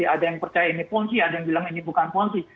ada yang percaya ini ponzi ada yang bilang ini bukan ponzi